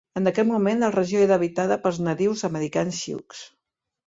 En aquell moment, la regió era habitada pels nadius americans sioux.